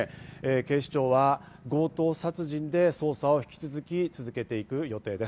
警視庁は強盗殺人で捜査を引き続き、続けている予定です。